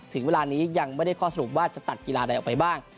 ถึงเวลานี้ยังไม่ได้ข้อสรุปว่าจะตัดกีฬาใดออกไปบ้าง